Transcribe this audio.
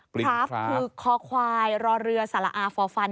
คราฟคือคอควายรอเรือสระอาเคราะห์คัน